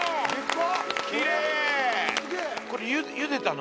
これゆでたの？